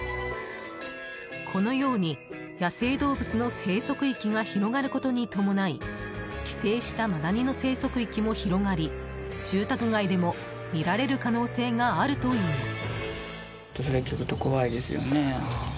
このように、野生動物の生息域が広がることに伴い寄生したマダニの生息域も広がり住宅街でも見られる可能性があるといいます。